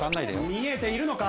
見えているのか？